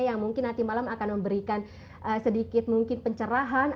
yang mungkin nanti malam akan memberikan sedikit mungkin pencerahan